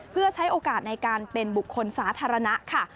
เพื่อใช้โอกาสในการเป็นบุคคลสาธารณะค่ะ